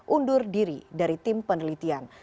undur diri dari tim penelitian